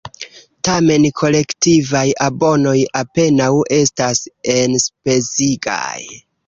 Tamen, kolektivaj abonoj apenaŭ estas enspezigaj.